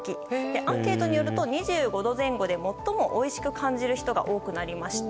アンケートによると２５度前後でもっともおいしく感じる人が多くなりました。